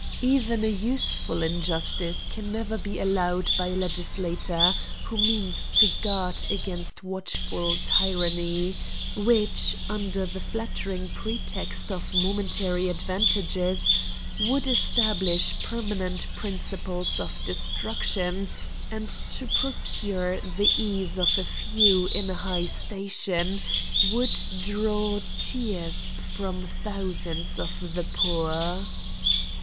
Even an useful injustice can never be allowed by a legislator, who means to guard against watchful tyranny, which, under the, flat tering pretext of momentary advantages, would 8B AN ESSAY ON establish permanent principles of destruction, and, to procure the ease of a few in a high station, would draw tiears from thousands of the poor.